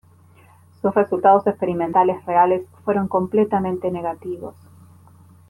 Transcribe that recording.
Sus resultados experimentales reales fueron completamente negativos.